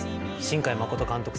新海誠監督